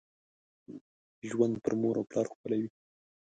ژوند پر مور او پلار ښکلي وي .